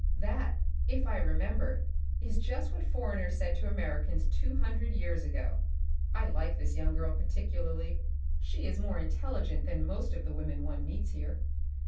" That, if I remember, is just what foreigners said to Americans two hundred years ago." (I like this young girl particularly. She is more intelligent than most of the women one meets here.